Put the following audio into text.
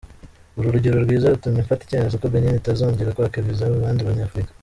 Uru rugero rwiza rutumye mfata icyemezo ko Benin itazongera kwaka viza abandi Banyafurika.